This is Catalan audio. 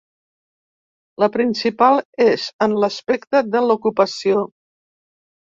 La principal és en l’aspecte de l’ocupació.